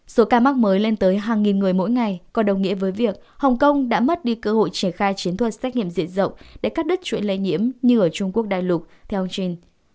số ca mắc mới lên tới hàng nghìn người mỗi ngày có đồng nghĩa với việc hồng kông đã mất đi cơ hội triển khai chiến thuật xét nghiệm diện rộng để cắt đứt chuyện lây nhiễm như ở trung quốc đại lục theogin